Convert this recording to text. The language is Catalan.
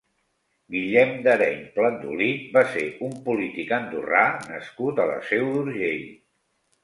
Guillem d'Areny-Plandolit va ser un polític andorrà nascut a la Seu d'Urgell.